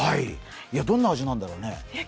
どんな味なんだろうね。